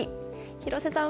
廣瀬さん